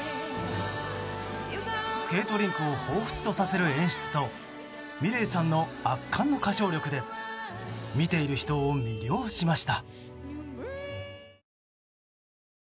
スケートリンクをほうふつとさせる演出とｍｉｌｅｔさんの圧巻の歌唱力で見ている人を魅了しました。